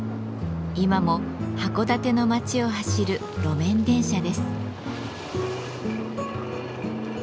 今も函館の街を走る路面電車です。